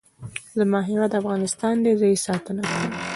زما هیواد افغانستان دی. زه یې ساتنه کوم.